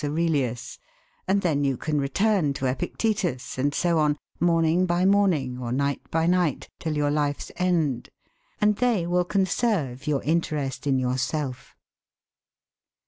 Aurelius, and then you can return to Epictetus, and so on, morning by morning, or night by night, till your life's end. And they will conserve your interest in yourself.